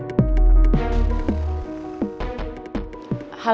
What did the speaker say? dia sudah pergi